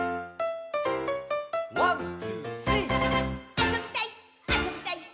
あそびたいっ！」